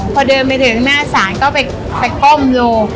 พอเดินไปถึงหน้าศาลก็ไปก้มลง